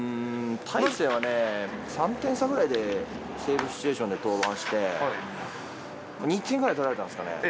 大勢はね、３点差ぐらいで、セーブシチュエーションで登板して、２点ぐらい取られたんですかね。